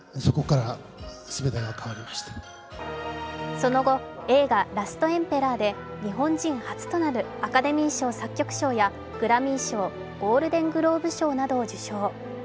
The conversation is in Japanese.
その後、映画「ラストエンペラー」で日本人初となるアカデミー賞作曲賞やグラミー賞、ゴールデングローブ賞などを受賞。